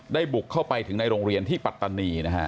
บุกเข้าไปถึงในโรงเรียนที่ปัตตานีนะฮะ